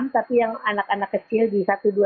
tapi yang anak anak kecil di satu dua